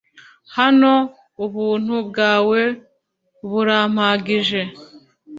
Hano Ubuntu bwawe burampagije